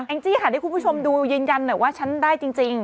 งจี้ค่ะให้คุณผู้ชมดูยืนยันหน่อยว่าฉันได้จริง